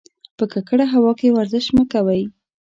په ککړه هوا کې ورزش مه کوئ.